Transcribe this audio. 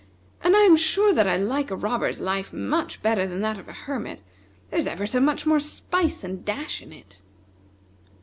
And I am sure that I like a robber's life much better than that of a hermit. There is ever so much more spice and dash in it."